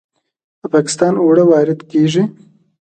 د پاکستان اوړه وارد کیږي.